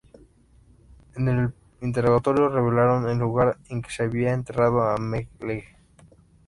En el interrogatorio revelaron el lugar en que se había enterrado a Mengele.